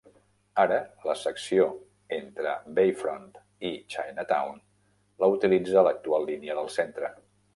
Ara, la secció entre Bayfront i Chinatown la utilitza l'actual línia del centre.